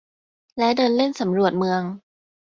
และเดินเล่นสำรวจเมือง